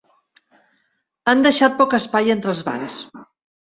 Han deixat poc espai entre els bancs.